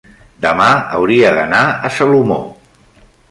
demà hauria d'anar a Salomó.